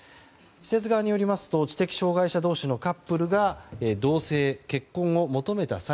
施設側によりますと知的障害者同士のカップルが同棲・結婚を求めた際